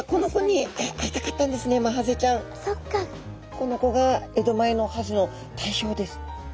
この子が江戸前のハゼの代表です。